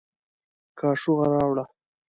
کاشوغه راوړه